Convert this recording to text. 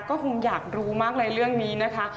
ก็คงอยากรู้มากเลยเรื่องนี้นะคะ